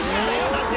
⁉だって！］